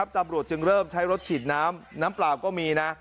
ตำรวจจึงเริ่มใช้รถฉีดน้ำน้ำเปล่าก็มีนะ